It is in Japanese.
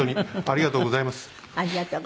ありがとうございます。